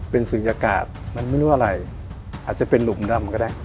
เป็นศูนยากาศมันไม่รู้อะไรอาจจะเป็นหลุมดำก็ได้